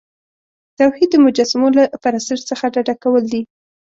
توحید د مجسمو له پرستش څخه ډډه کول دي.